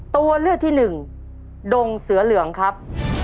ตัวเลือกที่หนึ่งดงเสือเหลืองครับ